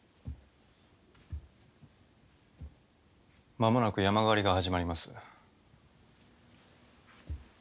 間もなく山狩りが始まります。